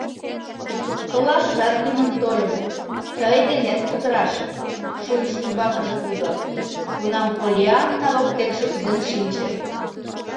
Толашыжат лӱмын тольым, тый денет кутыраш, — шуйыш умбакыже тудо, кунам Поллианна воктекше кӱзен шинче.